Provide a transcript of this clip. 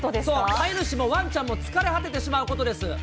そう、飼い主もワンちゃんも疲れ果ててしまうことです。